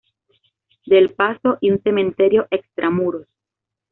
Del Paso y un cementerio extramuros.